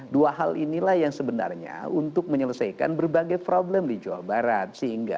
dua hal inilah yang sebenarnya untuk menyelesaikan berbagai problem di jawa barat